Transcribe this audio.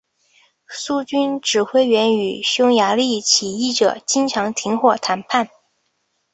苏军指挥员与匈牙利起义者经常停火谈判。